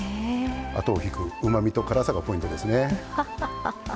後を引くうまみと、辛さがポイントですね。